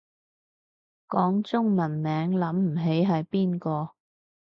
講中文名諗唔起係邊個